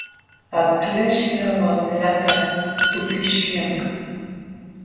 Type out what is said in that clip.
Aklaśhqa wamlakaq tukishllam.